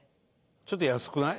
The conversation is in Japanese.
ちょっと安くない？